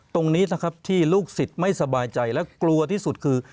ที่ลูกศิษย์ไม่สบายใจและกลัวที่สุดคือ